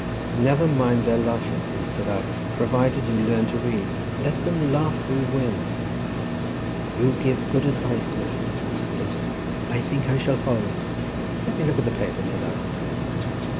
"Never mind their laughing at you," said I, "provided you learn to read; let them laugh who win!" "You give good advice, mester," said he; "I think I shall follow it." "Let me look at the paper," said I.